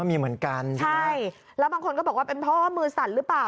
มีเหมือนกันใช่แล้วบางคนก็บอกว่าเป็นเพราะว่ามือสั่นหรือเปล่า